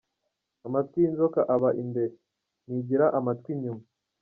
Amatwi y’inzoka aba imbere, ntigira amatwi inyuma.